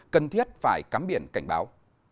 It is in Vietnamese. cần thiết phải cắm biển cảnh báo